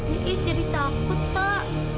iis jadi takut pak